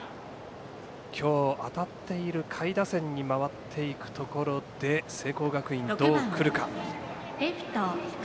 今日、当たっている下位打線に回っていくところで聖光学院、どうくるか。